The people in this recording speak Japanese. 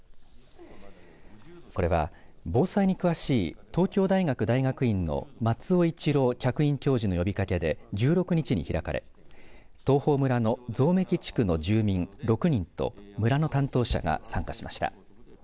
これは防災に詳しい東京大学大学院の松尾一郎客員教授の呼びかけで１６日に開かれ東峰村の蔵貫地区の住民６人と村の担当者が参加しました。